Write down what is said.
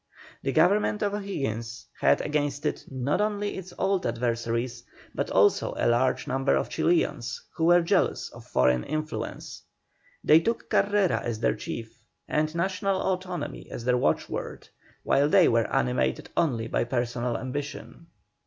The Government of O'Higgins had against it not only its old adversaries, but also a large number of Chilians who were jealous of foreign influence. They took Carrera as their chief, and National Autonomy as their watchword, while they were animated only by personal ambition.